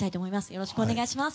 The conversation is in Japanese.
よろしくお願いします。